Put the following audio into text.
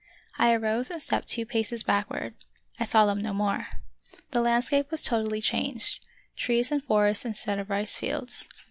I arose and stepped two paces backward ; I saw them no more. The landscape was totally changed, trees and forests instead of rice fields.